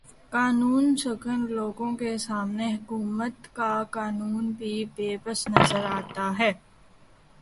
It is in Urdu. قانوں شکن لوگوں کے سامنے حکومت کا قانون بھی بے بس نظر آتا ہے